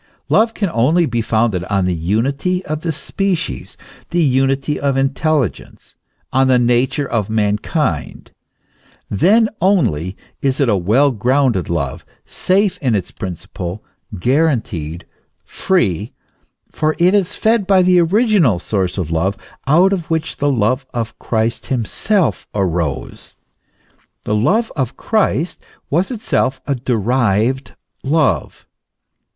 Love can only be founded on the unity of the species, the unity of intelligence on the nature of mankind ; then only is it a well grounded love, safe in its principle, guaranteed, free, for it is fed by the original source of love, out of which the love of Christ himself arose. The love of Christ was itself a derived love.